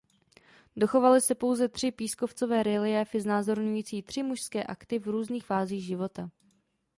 Dochovaly se pouze tři pískovcové reliéfy znázorňující tři mužské akty v různých fázích života.